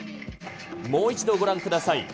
もう一度ご覧ください。